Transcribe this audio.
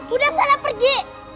udah saya udah pergi